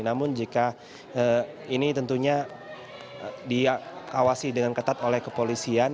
namun jika ini tentunya diawasi dengan ketat oleh kepolisian